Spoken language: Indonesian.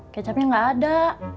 kecapnya nggak ada